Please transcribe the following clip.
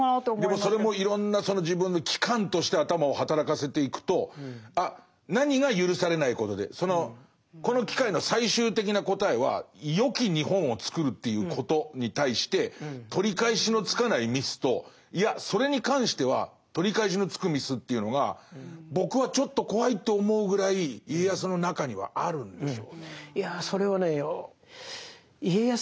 でもそれもいろんなその自分の機関として頭を働かせていくとあ何が許されないことでこの機械の最終的な答えはよき日本を作るということに対して取り返しのつかないミスといやそれに関しては取り返しのつくミスというのが僕はちょっと怖いと思うぐらい家康の中にはあるんでしょうね。